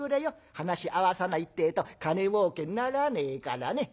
話合わさないってえと金もうけにならねえからね」。